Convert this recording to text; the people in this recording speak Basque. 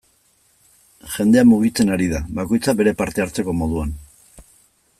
Jendea mugitzen ari da, bakoitza bere parte hartzeko moduan.